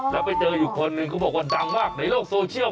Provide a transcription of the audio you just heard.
แล้วไปเจออยู่คนหนึ่งเขาบอกว่าดังมากในโลกโซเชียล